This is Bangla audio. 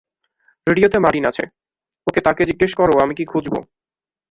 রেডিওতে মার্টিন আছে - ওকে তাকে জিজ্ঞেস কর আমি কি খুঁজব?